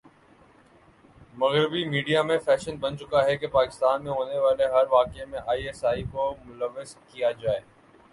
مغربی میڈیا میں فیشن بن چکا ہے کہ پاکستان میں ہونے والےہر واقعہ میں آئی ایس آئی کو ملوث کیا جاۓ